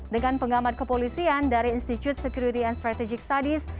dengan pengamat kepolisian dari institute security and strategic studies